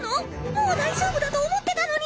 もう大丈夫だと思ってたのに！